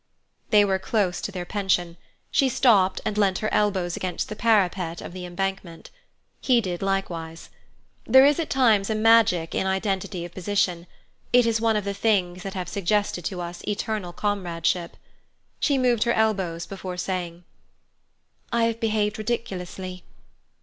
They were close to their pension. She stopped and leant her elbows against the parapet of the embankment. He did likewise. There is at times a magic in identity of position; it is one of the things that have suggested to us eternal comradeship. She moved her elbows before saying: "I have behaved ridiculously."